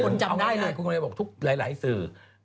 ดูกลายสื่อ